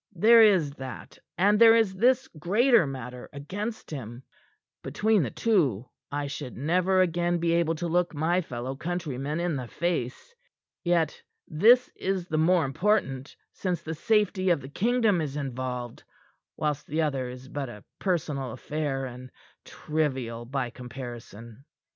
There is that, and there is this greater matter against him. Between the two, I should never again be able to look my fellow countrymen in the face. Yet this is the more important since the safety of the kingdom is involved; whilst the other is but a personal affair, and trivial by comparison.